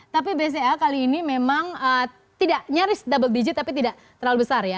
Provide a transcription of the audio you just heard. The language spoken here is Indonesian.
tapi bca kali ini memang tidak nyaris double digit tapi tidak terlalu besar ya